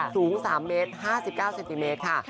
สูง๓เมตร๕๙เซนติเมตรค่ะ